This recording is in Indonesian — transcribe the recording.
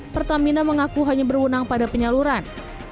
pertamina mengaku hanya berwenang pada penyaluran